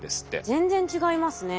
全然違いますね。